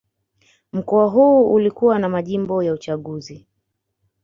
Mkoa huu ulikuwa na majimbo ya uchaguzi